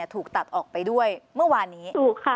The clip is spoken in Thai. ถูกตัดออกไปด้วยเมื่อวานนี้ถูกค่ะ